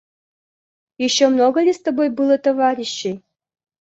Еще много ли с тобой было товарищей?